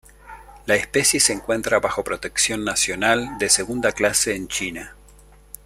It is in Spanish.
La especie se encuentra bajo protección nacional de segunda clase en China.